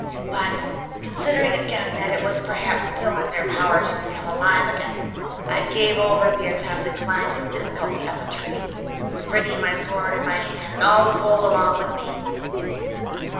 But considering again that it was perhaps still in their power to become alive again, I gave over the attempt and climbed with difficulty up a tree, bringing my sword in my hand and all the gold along with me.